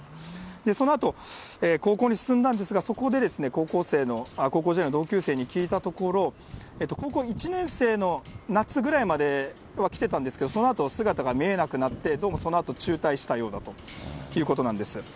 そのあと高校に進んだんですが、そこで高校時代の同級生に聞いたところ、高校１年生の夏ぐらいまでは来てたんですけど、そのあと姿が見えなくなって、どうもそのあと中退したようだということなんです。